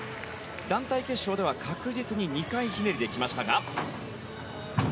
団体決勝では確実に２回ひねりできました。